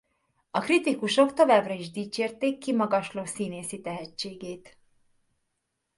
A kritikusok továbbra is dicsérték kimagasló színészi tehetségét.